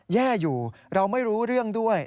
แย่อยู่เราไม่รู้เรื่องด้วย